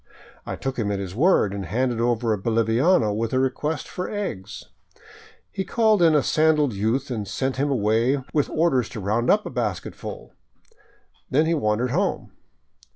I took him at his word and handed over a boliviano with a request for eggs. He called in a sandaled youth and sent him away with orders to round up a basketful. Then he wandered home.